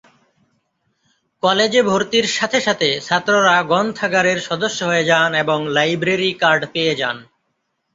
কলেজে ভর্তির সাথে সাথে ছাত্ররা গ্রন্থাগারের সদস্য হয়ে যান এবং লাইব্রেরি কার্ড পেয়ে যান।